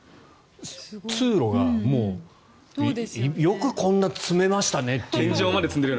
通路が、よくこんなに詰めましたねっていう。